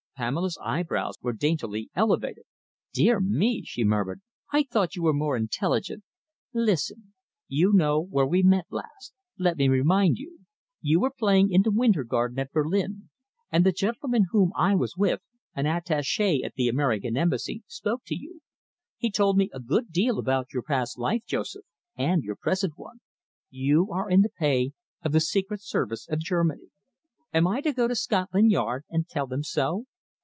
Pamela's eyebrows were daintily elevated. "Dear me!" she murmured. "I thought you were more intelligent. Listen. You know where we met last? Let me remind you. You were playing in the Winter Garden at Berlin, and the gentleman whom I was with, an attache at the American Embassy, spoke to you. He told me a good deal about your past life, Joseph, and your present one. You are in the pay of the Secret Service of Germany. Am I to go to Scotland Yard and tell them so?"